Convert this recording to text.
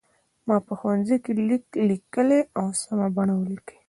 ما په ښوونځي کې لیک لیکلی و سمه بڼه ولیکئ.